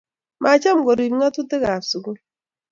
macham korub ng'atutikab sukul